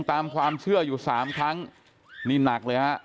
ตามความเชื่ออยู่สามครั้งนี่หนักเลยฮะ